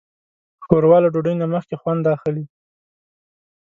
ښوروا له ډوډۍ نه مخکې خوند اخلي.